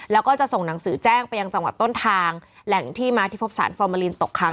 แล้วก็จะส่งหนังสือแจ้งไปยังจังหวัดต้นทางแหล่งที่มาที่พบสารฟอร์มาลีนตกค้าง